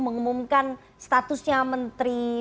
mengumumkan statusnya menteri